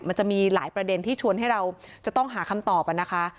มันจะมีหลายประเด็นที่ชวนให้เราจะต้องหาคำตอบนะคะ